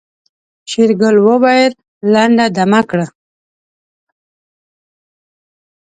شېرګل وويل لنډه دمه کړه.